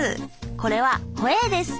これは「ホエー」です。